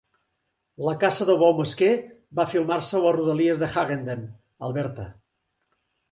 La caça del bou mesquer va filmar-se a les rodalies de Hughenden, Alberta.